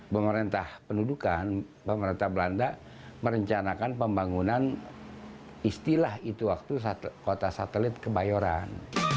pemerintah pendudukan pemerintah belanda merencanakan pembangunan istilah itu waktu kota satelit kebayoran